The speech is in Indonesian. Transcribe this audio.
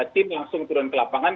tim langsung turun ke lapangan